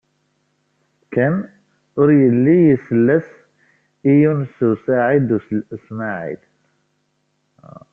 Ken ur yelli isell-as i Yunes u Saɛid u Smaɛil.